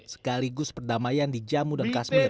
sekaligus perdamaian di jammu dan kashmir